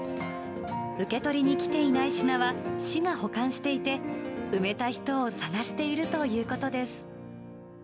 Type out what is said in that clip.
受け取りに来ていない品は市が保管していて、埋めた人を探しているということです。